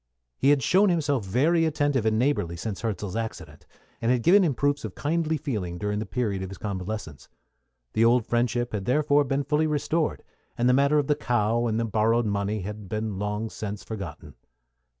He had shown himself very attentive and neighborly since Hirzel's accident, and had given him proofs of kindly feeling during the period of his convalescence. The old friendship had therefore been fully restored, and the affair of the cow and the borrowed money had been long since forgotten.